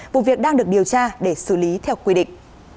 vụ việc đang được điều tra để xử lý theo quy định